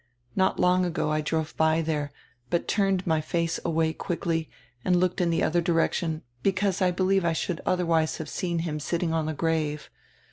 Not long ago I drove by diere, but turned my face away quickly and looked in die other direction, because I believe I should otherwise have seen him sitting on the grave.